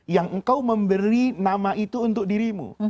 yang engkau memberi nama itu untuk dirimu